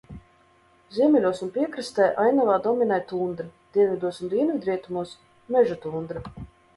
Ziemeļos un piekrastē ainavā dominē tundra, dienvidos un dienvidrietumos – mežatundra.